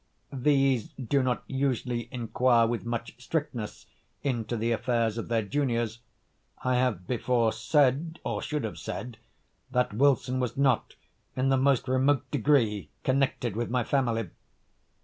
These do not usually inquire with much strictness into the affairs of their juniors. I have before said, or should have said, that Wilson was not, in the most remote degree, connected with my family.